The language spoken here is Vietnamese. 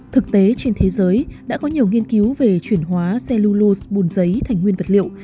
thực tế trên thế giới đã có nhiều nghiên cứu về chuyển hóa cellulose bùn giấy thành nguyên vật liệu